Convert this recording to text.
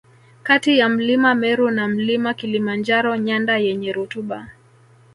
Kati ya mlima Meru na Mlima Kilimanjaro nyanda yenye rutuba